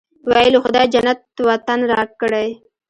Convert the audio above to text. ویل یې خدای جنت وطن راکړی.